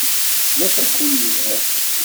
D afakul yelhan.